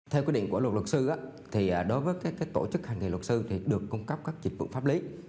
theo quy định của luật luật sư đối với tổ chức hành nghề luật sư được cung cấp các dịch vụ pháp lý